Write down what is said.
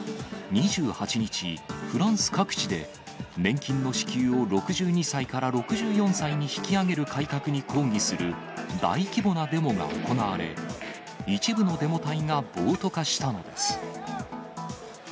２８日、フランス各地で年金の支給を６２歳から６４歳に引き上げる改革に抗議する大規模なデモが行われ、一部のデモ隊が暴徒化したのです。